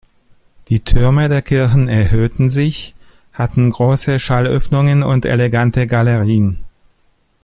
Die Türme der Kirchen erhöhten sich, hatten große Schallöffnungen und elegante Galerien.